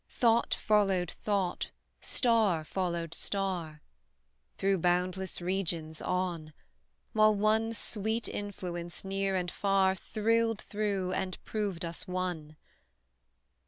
Thought followed thought, star followed star, Through boundless regions, on; While one sweet influence, near and far, Thrilled through, and proved us one!